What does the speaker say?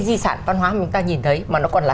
di sản văn hóa mà chúng ta nhìn thấy mà nó còn là